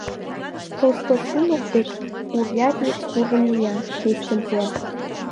Толстосумов дек урядник куржын мия, честьым пуа.